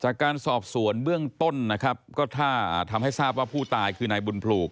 จากการสอบสวนเบื้องต้นนะครับก็ถ้าทำให้ทราบว่าผู้ตายคือนายบุญพลู